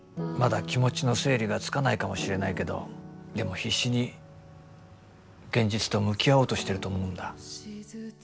まだ気持ちの整理がつかないかもしれないけどでも必死に現実と向き合おうとしてると思うんだ。